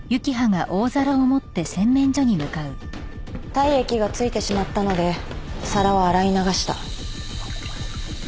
体液が付いてしまったので皿を洗い流した。